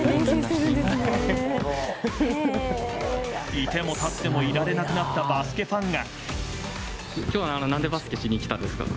いてもたってもいられなくなったバスケファンが。